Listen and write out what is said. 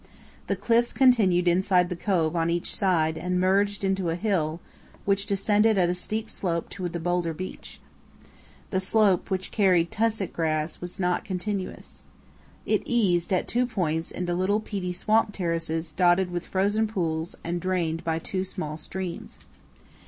The cliffs continued inside the cove on each side and merged into a hill which descended at a steep slope to the boulder beach. The slope, which carried tussock grass, was not continuous. It eased at two points into little peaty swamp terraces dotted with frozen pools and drained by two small streams.